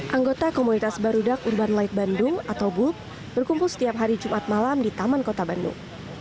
anggota komunitas barudak urban light bandung atau bulk berkumpul setiap hari jumat malam di taman kota bandung